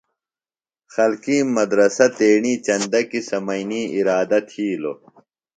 خلکِیم مدرسہ تیݨئے چندہ کیۡ سمئینی اِرادہ تِھیلوۡ۔